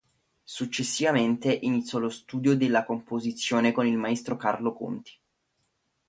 Successivamente iniziò lo studio della composizione con il maestro Carlo Conti.